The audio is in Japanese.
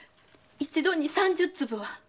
一度に三十粒は。